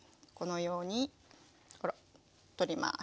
このように取ります。